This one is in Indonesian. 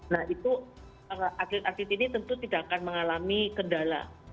nah itu atlet atlet ini tentu tidak akan mengalami kendala